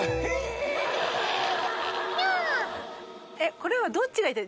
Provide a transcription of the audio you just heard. これはどっちが痛い？